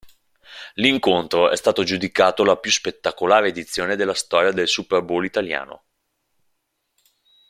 L'incontro è stato giudicato la più spettacolare edizione della storia del Superbowl italiano.